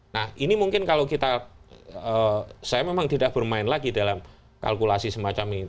nah ini mungkin kalau kita saya memang tidak bermain lagi dalam kalkulasi semacam ini